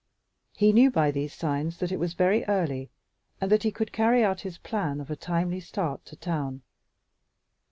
He knew by these signs that it was very early and that he could carry out his plan of a timely start to town.